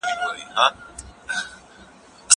کېدای سي زدکړه سخته وي.